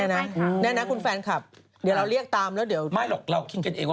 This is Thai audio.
อกเฟอร์เซ็ตกับสีแดง